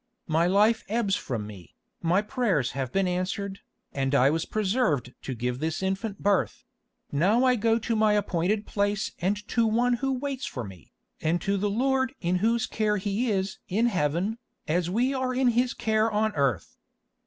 My life ebbs from me. My prayers have been answered, and I was preserved to give this infant birth; now I go to my appointed place and to one who waits for me, and to the Lord in Whose care he is in Heaven, as we are in His care on earth.